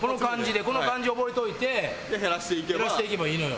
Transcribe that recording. この感じ覚えておいて減らしていけばいいのよ。